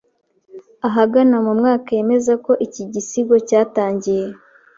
ahagana mu mwaka yemeza ko iki gisigo cyatangiye